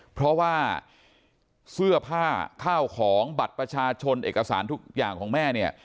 เพราะว่าเสื้อผ้าข้าวของบัตรประชาชนเอกสารทุกอย่างของแม่เนี่ย